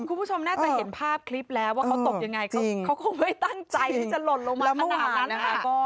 คุณผู้ชมน่าจะเห็นภาพคลิปแล้วว่าเขาตบยังไงเขาก็ไม่ตั้งใจที่จะหล่นลงมาขนาดนั้นนะคะ